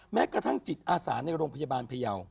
แม้กระทั่งจิตอาสาในโรงพยาบาลพยาว